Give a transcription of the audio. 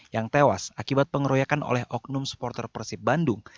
yang tewas akibat pengeroyakan oleh oknum supporter persib bandung